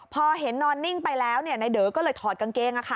พอเห็นนอนนิ่งไปแล้วนายเด๋อก็เลยถอดกางเกง